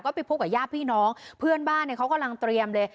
ก็ไปพบกับย่าพี่น้องเพื่อนบ้านเขากำลังเตรียมเลย